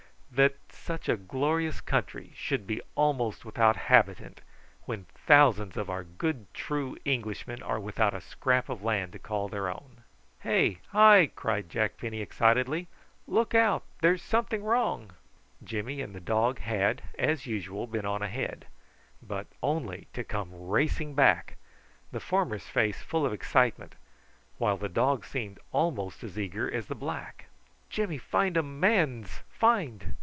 "That such a glorious country should be almost without inhabitant, when thousands of our good true Englishmen are without a scrap of land to call their own." "Hey, hi!" cried Jack Penny excitedly. "Look out! There's something wrong." Jimmy and the dog had, as usual, been on ahead; but only to come racing back, the former's face full of excitement, while the dog seemed almost as eager as the black. "Jimmy find um mans, find.